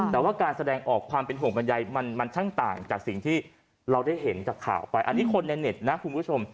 แต่ว่าการแสดงออกความเป็นห่วงบรรยายมันช่างต่างจากสิ่งที่เราได้เห็นจากข่าวไปอันนี้คนในเน็ตนะคุณผู้ชม